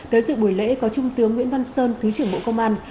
tới dự buổi lễ có trung tướng nguyễn văn sơn thứ trưởng bộ công an